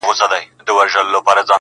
چي تر پامه دي جهان جانان جانان سي,